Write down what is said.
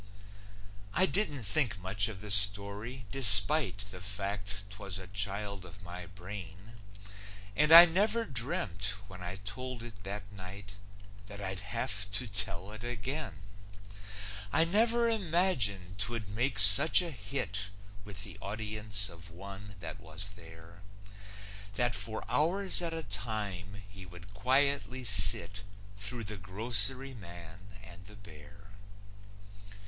I didn't think much of the story despite The fact 'twas a child of my brain. And I never dreamt, when I told it that night, That I'd have to tell it again; I never imagined 'twould make such a hit With the audience of one that was there That for hours at a time he would quietly sit Through The Grocery Man and the Bear.